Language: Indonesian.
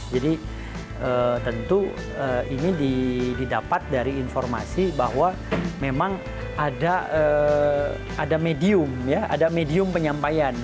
jadi tentu ini didapat dari informasi bahwa memang ada medium penyampaian